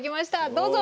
どうぞ。